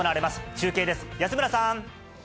中継です、安村さん。